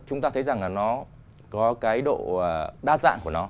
chúng ta thấy rằng là nó có cái độ đa dạng của nó